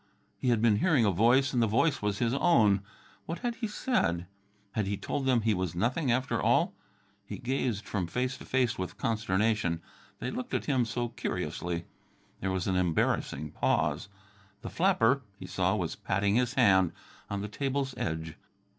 He had been hearing a voice, and the voice was his own. What had he said? Had he told them he was nothing, after all? He gazed from face to face with consternation. They looked at him so curiously. There was an embarrassing pause. The flapper, he saw, was patting his hand at the table's edge.